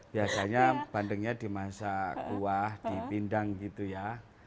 biasanya bandengnya dimasak kuah dipindang gitu ya